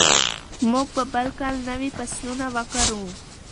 موږ به بل کال نوي فصلونه وکرو.